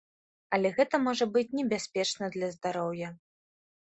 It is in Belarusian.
Але гэта можа быць небяспечна для здароўя.